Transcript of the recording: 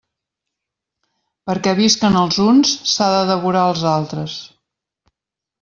Perquè visquen els uns, s'ha de devorar els altres.